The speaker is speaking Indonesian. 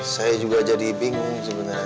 saya juga jadi bingung sebenarnya